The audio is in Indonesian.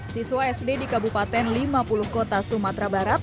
siswa sd di kabupaten lima puluh kota sumatera barat